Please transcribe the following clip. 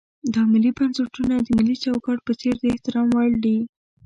دا ملي بنسټونه د ملي چوکاټ په څېر د احترام وړ دي.